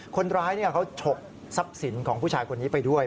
คนร้ายเขาฉกทรัพย์สินของผู้ชายคนนี้ไปด้วย